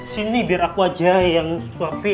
ya nah great deh yang kedua tadi